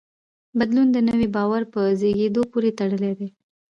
بدلون د نوي باور په زېږېدو پورې تړلی دی.